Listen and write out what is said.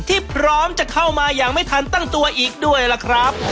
ที่พร้อมจะเข้ามาอย่างไม่ทันตั้งตัวอีกด้วยล่ะครับ